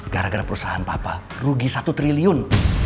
gara gara perusahaan papa rugi satu triliun